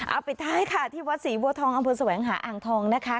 เอาปิดท้ายค่ะที่วัดศรีบัวทองอำเภอแสวงหาอ่างทองนะคะ